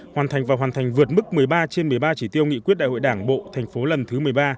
hoàn thành và hoàn thành vượt mức một mươi ba trên một mươi ba chỉ tiêu nghị quyết đại hội đảng bộ thành phố lần thứ một mươi ba